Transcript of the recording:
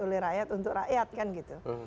oleh rakyat untuk rakyat kan gitu